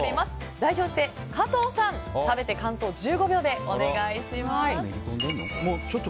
代表して加藤さん、食べて感想を１５秒でお願いします。